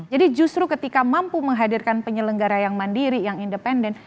jadi justru ketika mampu menghadirkan penyelenggara yang mandiri yang independen